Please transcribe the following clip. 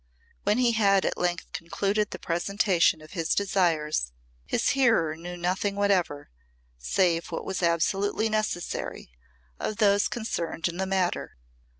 When he had at length concluded the presentation of his desires, his hearer knew nothing whatever, save what was absolutely necessary, of those concerned in the matter.